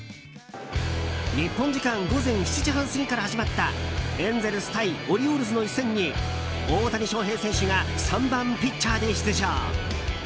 日本時間午前７時半過ぎから始まったエンゼルス対オリオールズの一戦に大谷翔平選手が３番ピッチャーで出場。